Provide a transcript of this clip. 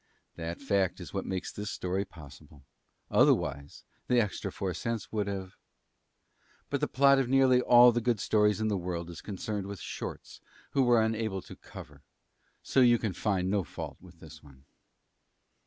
That fact is what makes this story possible. Otherwise, the extra four cents would have But the plot of nearly all the good stories in the world is concerned with shorts who were unable to cover; so you can find no fault with this one.